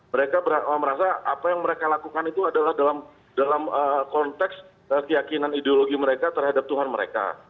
mereka merasa apa yang mereka lakukan itu adalah dalam konteks keyakinan ideologi mereka terhadap tuhan mereka